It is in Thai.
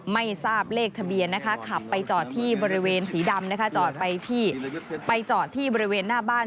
ไม่ทราบเลขทะเบียนนะคะขับไปจอดที่บริเวณสีดำนะคะจอดไปที่ไปจอดที่บริเวณหน้าบ้าน